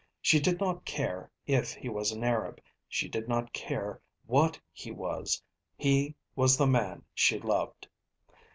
She did not care if he was an Arab, she did not care what he was, he was the man she loved.